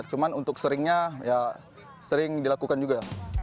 cuman untuk seringnya ya sering dilakukan juga